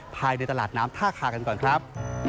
ภายในตลาดน้ำท่าคากันก่อนครับ